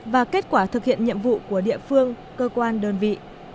và kết quả thực hiện nhiệm vụ của địa phương cơ quan đơn vị